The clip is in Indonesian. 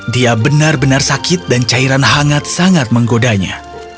dia benar benar sakit dan cairan hangat sangat menggodanya